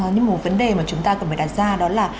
nhưng một vấn đề mà chúng ta cần phải đặt ra đó là